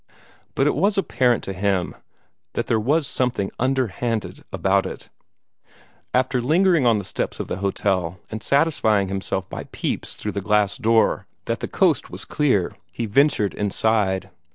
But it was apparent to him that there was something underhanded about it. After lingering awhile on the steps of the hotel, and satisfying himself by peeps through the glass doors that the coast was clear, he ventured inside.